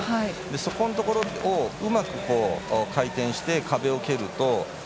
そこのところを、うまく回転して壁を蹴ると。